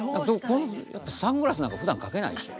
このサングラスなんかふだんかけないでしょ？